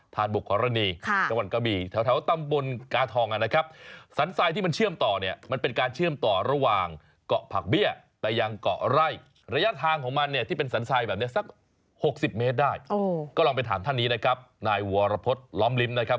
ธาตุบกรณีจังหวัดกระบีแถวตำบลกาทองนะครับ